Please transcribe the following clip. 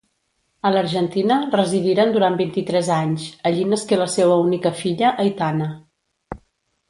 A l'Argentina residiren durant vint-i-tres anys, allí nasqué la seua única filla, Aitana.